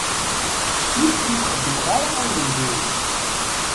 Ur kent-xeddmeɣ ara ayen n diri.